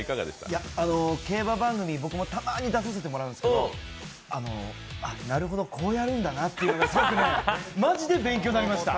競馬番組、僕もたまーに出させてもらうんですけどあ、なるほど、こうやるんだなっていう、マジで勉強になりました。